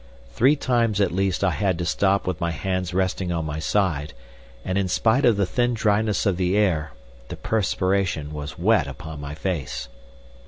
Three times at least I had to stop with my hands resting on my side and in spite of the thin dryness of the air, the perspiration was wet upon my face.